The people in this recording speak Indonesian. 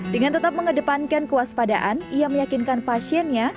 dengan tetap mengedepankan kewaspadaan ia meyakinkan pasiennya